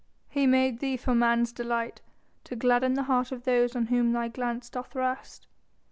"He made thee for man's delight, to gladden the heart of those on whom thy glance doth rest."